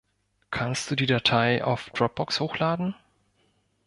Kannst du die Datei auf Dropbox hochladen?